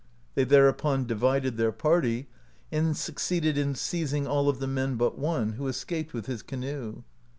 They thereupon divided their party, and succeeded in seizing all of the men but one, who escaped with his canoe.